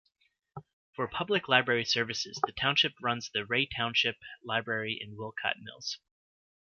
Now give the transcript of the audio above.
For public library services, the Township runs the Ray Township Library in Wolcott Mills.